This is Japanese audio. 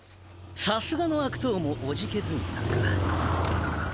さすがの悪党もおじけづいたか。